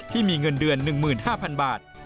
ที่มีเงินเดือน๑๕๐๐๐บาท